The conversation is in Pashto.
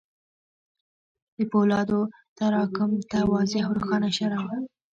د پولادو تراکم ته واضح او روښانه اشاره وه.